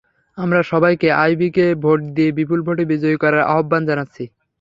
আমরা সবাইকে আইভীকে ভোট দিয়ে বিপুল ভোটে বিজয়ী করার আহ্বান জানাচ্ছি।